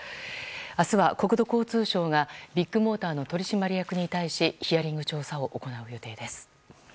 明日は国土交通省がビッグモーターの取締役に対しヒアリング調査を行う予定です。